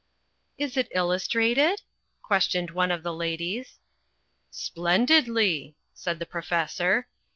"Is it illustrated?" questioned one of the ladies. "Splendidly," said the professor.